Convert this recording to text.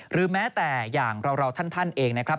หรือแม้แต่อย่างเราท่านเองนะครับ